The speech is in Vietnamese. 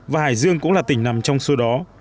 và hải dương cũng là tỉnh nằm trong số đó